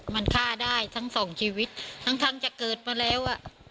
มันฆ่าได้ทั้งสองชีวิตทั้งจะเกิดมาแล้ว